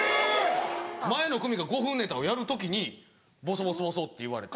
前の組が５分ネタをやる時にぼそぼそぼそって言われて。